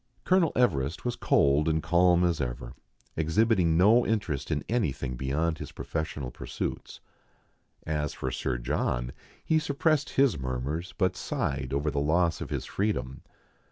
Colonel Everest was cold and calm as ever^ exhibiting no interest in any thing beyond his professional pursuits. As for Sir John, he suppressed his murmurs, but sighed over the loss of his freedom.